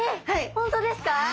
えっ本当ですか！